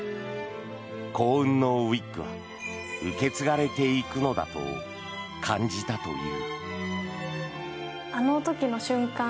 幸運のウィッグは受け継がれていくのだと感じたという。